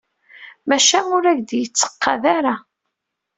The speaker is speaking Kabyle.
Maca ur ak-d-yettqad ara.